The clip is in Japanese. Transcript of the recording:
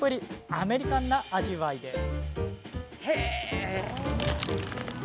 アメリカンな味わいです。